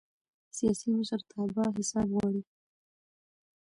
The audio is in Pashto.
سیاسي مشرتابه حساب غواړي